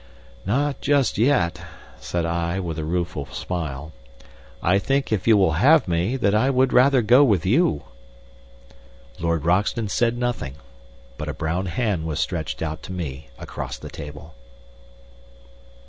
"Not just yet," said I, with a rueful smile. "I think, if you will have me, that I would rather go with you." Lord Roxton said nothing, but a brown hand was stretched out to me across the table.